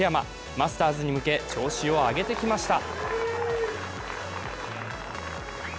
マスターズに向け調子を上げてきました。